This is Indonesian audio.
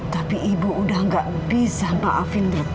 tapi ibu udah nggak bisa maafin retno